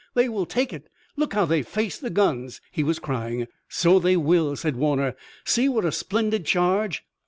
they will take it! Look how they face the guns!" he was crying. "So they will!" said Warner. "See what a splendid charge!